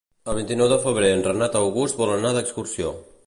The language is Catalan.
El vint-i-nou de febrer en Renat August vol anar d'excursió.